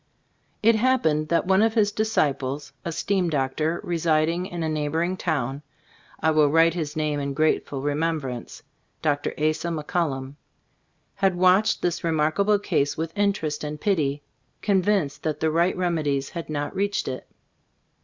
It happened that one of his disci ples, a "Steam Doctor," residing in a XLbc Storg of As CbilDbooO 87 neighboring town (I will write his name in grateful remembrance — Dr. Asa McCullum), had watched this re markable case with interest and pity, convinced that the right remedies had not reached it.